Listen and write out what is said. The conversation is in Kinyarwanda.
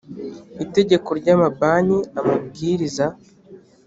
itegeko ry amabanki amabwiriza